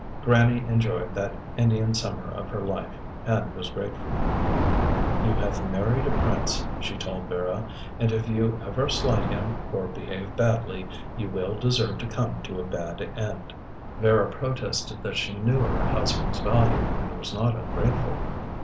Grannie enjoyed that Indian summer of her life, and was grateful. "You have married a prince," she told Vera, "and if you ever slight him or behave badly, you will deserve to come to a bad end." Vera protested that she knew her husband's value, and was not ungrateful.